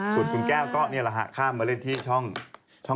ส่วนคุณแก้วก็ข้ามมาเล่นที่ช่องวัน